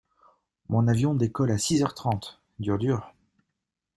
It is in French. Mon avion décolle à six heure trente, dur dur!